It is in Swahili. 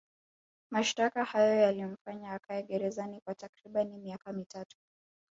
Mashtaka hayo yalimfanya akae gerezani kwa takribani miaka mitatu